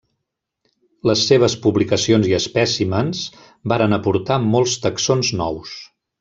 Les seves publicacions i espècimens varen aportar molts taxons nous.